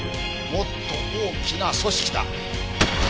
もっと大きな組織だ。